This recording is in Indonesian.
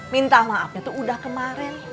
minta maafnya tuh udah kemarin